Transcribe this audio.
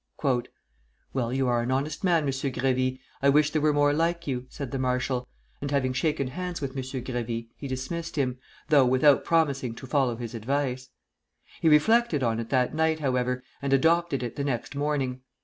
"Well, you are an honest man, M. Grévy; I wish there were more like you," said the marshal; and having shaken hands with M. Grévy, he dismissed him, though without promising to follow his advice. He reflected on it that night, however, and adopted it the next morning.